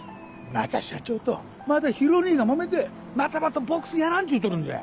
また社長とまたひろ兄がもめてまたまたボックスやらんっちゅうとるんじゃ。